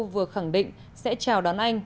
vừa khẳng định sẽ chào đón anh